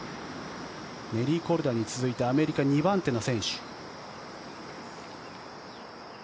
ネリー・コルダに続いてアメリカ２番手の選手。